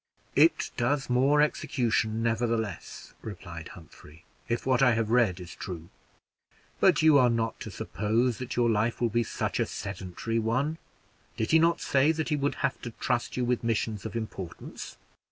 "It does more execution, nevertheless," replied Humphrey, "if what I have read is true. But you are not to suppose that your life will be such a sedentary one. Did he not say that he would have to trust you with missions of importance?